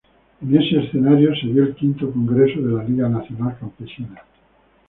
En ese escenario, se dio el quinto Congreso de la Liga Nacional Campesina.